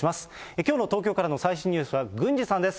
きょうの東京からの最新ニュースは郡司さんです。